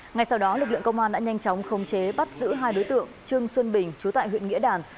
ngay sau đó lực lượng công an đã nhanh chóng khống chế bắt giữ hai đối tượng trương xuân bình chú tại huyện nghĩa đàn